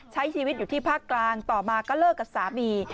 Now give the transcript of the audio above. ใช้ชีวิตอยู่ที่ภาคกลางต่อมาก็เลิกกับสามี